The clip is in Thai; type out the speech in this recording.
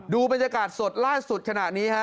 บรรยากาศสดล่าสุดขณะนี้ฮะ